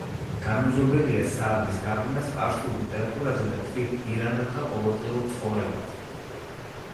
განუზომელია საადის გავლენა სპარსულ ლიტერატურაზე და თვით ირანელთა ყოველდღიურ ცხოვრებაზე.